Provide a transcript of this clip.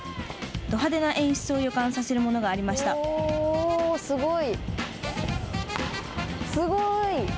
ど派手な演出を予感させるものがおお、すごい。